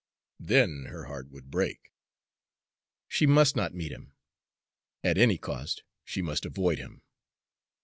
then, her heart would break! She must not meet him at any cost she must avoid him.